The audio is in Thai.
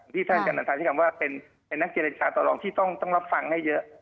ที่ท่านอาจารย์นันทาใช้คำว่าเป็นนักเจรจาต่อรองที่ต้องรับฟังให้เยอะ